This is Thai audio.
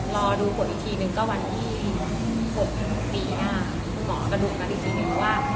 รอดูผลอีกทีหนึ่งก็วันที่๖๖ปีหมอกระดุรกันอีกทีหนึ่งว่า